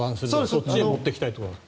そっちへ持っていきたいと？